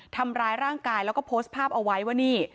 ทำร้ายร่างกายแล้วก็โพสต์ภาพเอาไว้ว่านี่